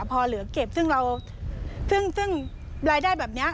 พอเหลือเก็บซึ่งรายได้แบบนี้